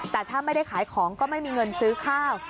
แต่ถ้าไม่ได้ขายของก็ไม่มีเงินซื้อข้าว